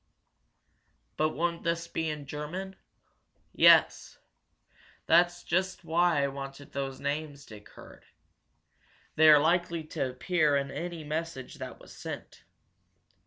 "But won't this be in German?" "Yes. That's just why I wanted those names Dick heard. They are likely to appear in any message that was sent.